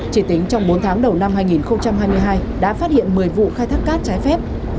chỉ tính trong bốn tháng đầu năm hai nghìn hai mươi hai đã phát hiện một mươi vụ khai thác cát trái phép